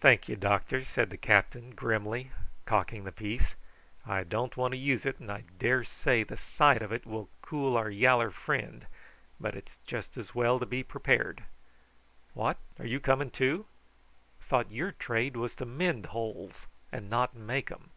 "Thank'ye, doctor," said the captain grimly, cocking the piece. "I don't want to use it, and I daresay the sight of it will cool our yaller friend; but it's just as well to be prepared. What! are you coming too? Thought your trade was to mend holes and not make 'em."